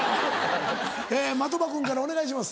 え的場君からお願いします。